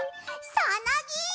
さなぎ！